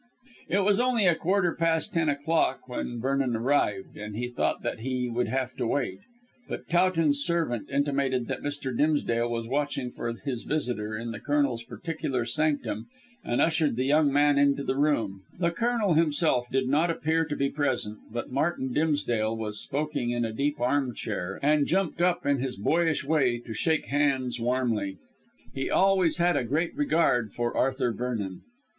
It was only a quarter past ten o'clock when Vernon arrived, and he thought that he would have to wait. But Towton's servant intimated that Mr. Dimsdale was watching for his visitor in the Colonel's particular sanctum, and ushered the young man into the room, after relieving him of his coat and hat. The Colonel himself did not appear to be present, but Martin Dimsdale was smoking in a deep arm chair, and jumped up in his boyish way to shake hands warmly. He always had a great regard for Arthur Vernon.